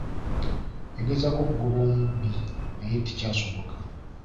Yagezaako okugoba omubbi naye tekyasoboka.